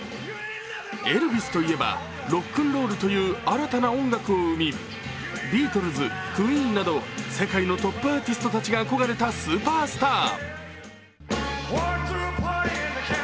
エルヴィスといえばロックンロールという新たな音楽を生みビートルズ、クイーンなど、世界のトップアーティストたちが憧れたスーパースター。